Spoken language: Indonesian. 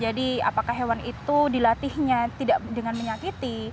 jadi apakah hewan itu dilatihnya dengan menyakiti